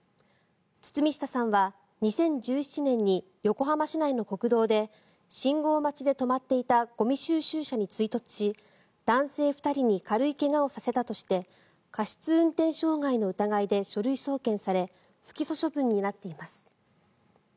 堤下さんは２０１７年に横浜市内の国道で信号待ちで止まっていたゴミ収集車に追突し男性２人に軽い怪我をさせたとして過失運転傷害の疑いで書類送検され不起訴処分になっています。